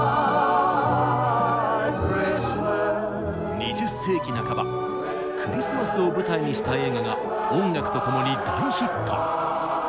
２０世紀半ばクリスマスを舞台にした映画が音楽とともに大ヒット。